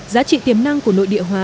giá trị tiềm năng của nội địa hóa